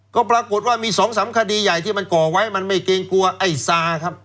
ก็ปรากฏว่ามีสองสามคดีใหญ่ที่มันก่อไว้มันไม่เกรงกลัวไอ้ซาครับ